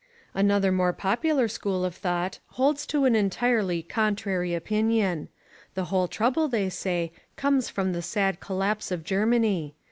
Another more popular school of thought holds to an entirely contrary opinion. The whole trouble, they say, comes from the sad collapse of Germany.